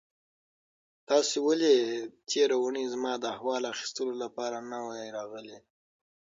تاسو ولې تېره اونۍ زما د احوال اخیستلو لپاره نه وئ راغلي؟